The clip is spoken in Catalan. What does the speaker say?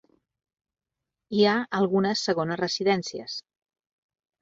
Hi ha algunes segones residències.